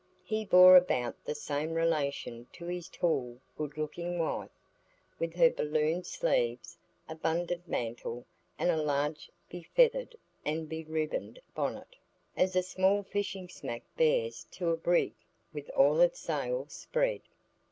He bore about the same relation to his tall, good looking wife, with her balloon sleeves, abundant mantle, and a large befeathered and beribboned bonnet, as a small fishing smack bears to a brig with all its sails spread.